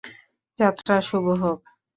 যাত্রা শুভ হোক!